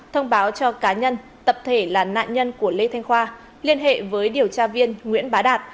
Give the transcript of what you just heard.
thông báo cho cá nhân tập thể là nạn nhân của lê thanh khoa liên hệ với điều tra viên nguyễn bá đạt